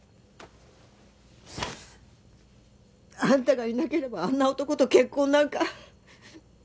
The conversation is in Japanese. あんたがいなければあんな男と結婚なんか